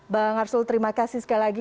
bang arsul terima kasih sekali lagi